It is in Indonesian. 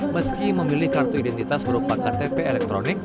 meski memilih kartu identitas berupa ktp elektronik